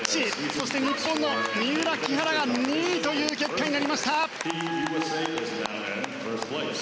そして日本の三浦、木原が２位という結果になりました。